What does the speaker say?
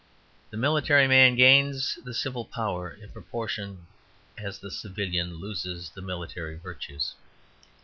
The military man gains the civil power in proportion as the civilian loses the military virtues.